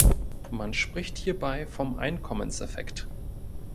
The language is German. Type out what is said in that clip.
Man spricht hierbei vom „Einkommenseffekt“.